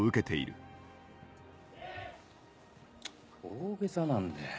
大げさなんだよ。